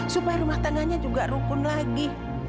supaya rumah tangganya juga rukun lagi